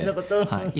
はい。